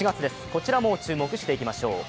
こちらも注目していきましょう。